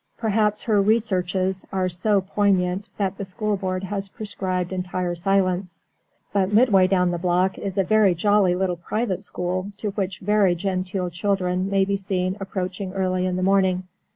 Perhaps her researches are so poignant that the school board has prescribed entire silence. But midway down the block is a very jolly little private school, to which very genteel children may be seen approaching early in the morning.